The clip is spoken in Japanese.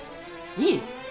いい？